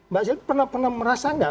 mbak silvi pernah pernah merasa enggak